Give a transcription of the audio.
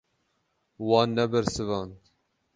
Wan nebersivand.